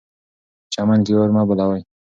په چمن کې اور مه بلئ.